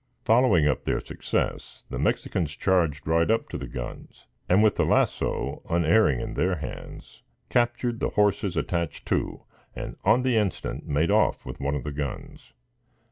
Following up their success, the Mexicans charged right up to the guns, and, with the lasso, unerring in their hands, captured the horses attached to, and, on the instant, made off with one of the guns.